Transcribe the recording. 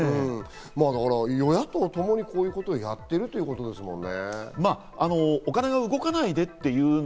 与野党ともに、こういうことをやってるってことですもんね。